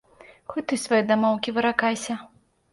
Хоць ты свае дамоўкі выракайся.